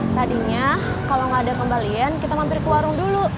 tadinya kalo gak ada pembalian kita mampir ke warung dulu